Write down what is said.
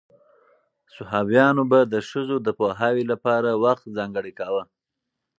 صحابیانو به د ښځو د پوهاوي لپاره وخت ځانګړی کاوه.